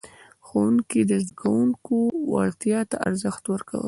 ښوونکي د زده کوونکو وړتیا ته ارزښت ورکولو.